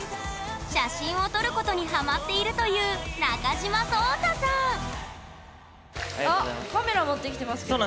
写真を撮ることにハマっているというあっカメラ持ってきてますけど。